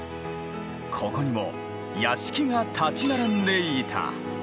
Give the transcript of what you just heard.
ここにも屋敷が立ち並んでいた。